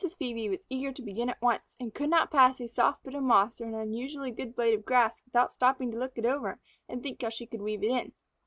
Phœbe was eager to begin at once, and could not pass a soft bit of moss or an unusually good blade of grass without stopping to look it over and think how she could weave it in.